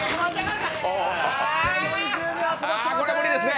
ああ、これは無理ですね。